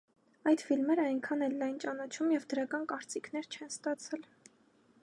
Այդ ֆիլմերը այնքան էլ լայն ճանաչում և դրական կարծիքներ չեն ստացել։